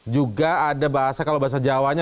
juga ada bahasa kalau bahasa jawanya